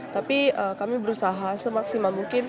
tapi kami berusaha semaksimal mungkin